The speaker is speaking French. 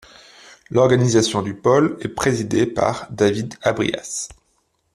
L’organisation du pôle est présidée par David Habrias.